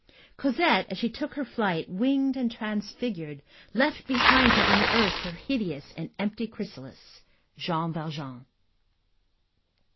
Cosette, as she took her flight, winged and transfigured, left behind her on the earth her hideous and empty chrysalis, Jean Valjean.